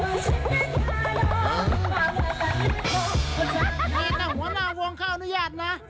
หัวหน้าวงเข้าอนุญาตนะ